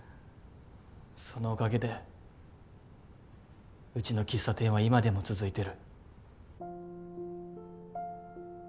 そのおかげでうちの喫茶店は今でも続いてる。